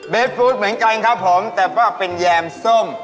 ฟู้ดเหมือนกันครับผมแต่ว่าเป็นแยมส้ม